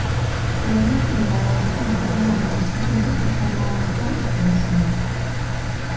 Leelo kinlawa wookontarelani vitthu zinretikhanaye so nkursu mwaka.